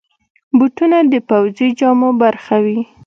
بوټونه د پوځي جامو برخه وي.